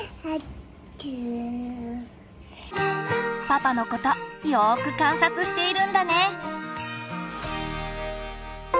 パパのことよく観察しているんだね。